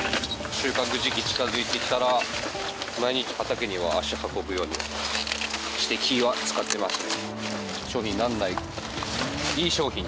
収穫時期近づいてきたら毎日畑には足運ぶようにして気は使ってますね。